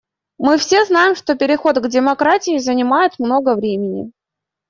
Мы все знаем, что переход к демократии занимает много времени.